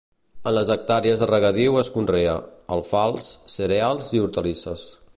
En les hectàrees de regadiu es conrea: alfals, cereals i hortalisses.